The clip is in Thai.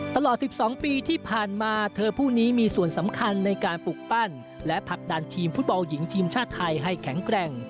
ตลอด๑๒ปีที่ผ่านมาเธอผู้นี้มีส่วนสำคัญในการปลูกปั้นและผลักดันทีมฟุตบอลหญิงทีมชาติไทยให้แข็งแกร่ง